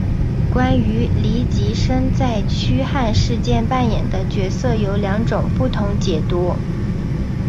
关于黎吉生在驱汉事件扮演的角色有两种不同解读。